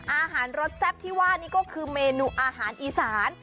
อาหารรสแซ่บที่ว่านี่ก็คือเมนูอาหารอีสาน